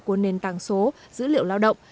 của nền tảng số dữ liệu lao động